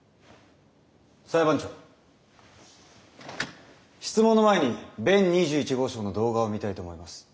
裁判長質問の前に弁２１号証の動画を見たいと思います。